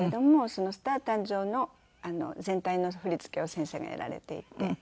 その『スター誕生！』の全体の振り付けを先生がやられていて。